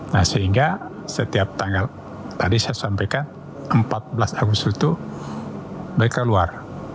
nah sehingga setiap tanggal tadi saya sampaikan empat belas agustus itu mereka luar